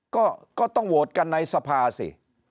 ก็ต้องโหวตกันในสภาสิ